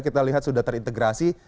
kita lihat sudah terintegrasi